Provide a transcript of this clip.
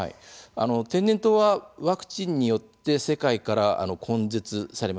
天然痘はワクチンによって世界から根絶されました。